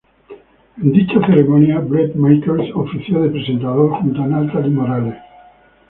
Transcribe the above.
En dicha ceremonia "Bret Michaels" ofició de presentador junto a Natalie Morales.